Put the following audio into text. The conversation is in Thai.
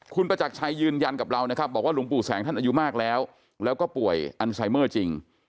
คุณประจักรชัยยืนยันกับเรานะครับบอกว่าหลวงปู่แสงท่านอายุมากแล้วแล้วก็ป่วยอันไซเมอร์จริง